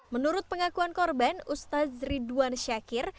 menurut pengakuan korban ustadz ridwan syakir